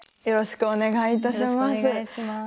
よろしくお願いします。